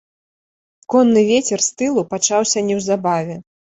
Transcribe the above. Конны вецер з тылу пачаўся неўзабаве.